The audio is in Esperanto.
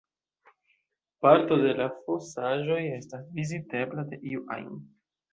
Parto de la fosaĵoj estas vizitebla de iu ajn.